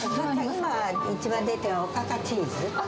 今、一番出てるのは、おかかチーズ。